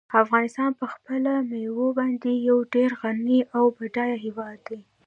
افغانستان په خپلو مېوو باندې یو ډېر غني او بډای هېواد دی.